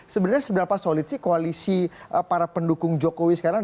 sebenarnya seberapa solid sih koalisi para pendukung jokowi sekarang